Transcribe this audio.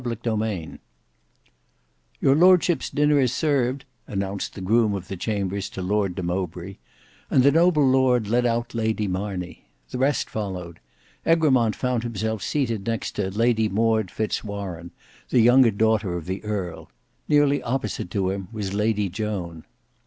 Book 2 Chapter 11 "Your lordship's dinner is served," announced the groom of the chambers to Lord de Mowbray; and the noble lord led out Lady Marney. The rest followed. Egremont found himself seated next to Lady Maud Fitz Warene, the younger daughter of the earl. Nearly opposite to him was Lady Joan.